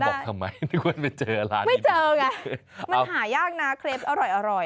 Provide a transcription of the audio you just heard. จะบอกทำไมนึกว่าจะไปเจอร้านนี้ไม่เจอไงมันหายากนะเครพอร่อยคุณ